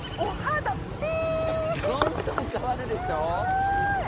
どんどん変わるでしょ。